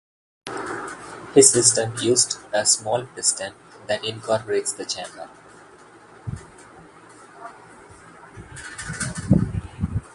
His system used a small 'piston' that incorporates the chamber.